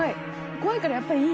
怖いからやっぱりいいよ。